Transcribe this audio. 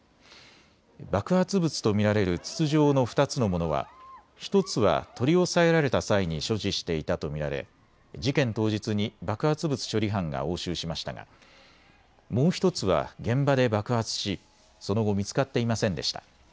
爆発物と見られる筒状の２つのものは１つは取り押さえられた際に所持していたと見られ事件当日に爆発物処理班が押収しましたがもう１つは現場で爆発しその後、見つかっていませんでした。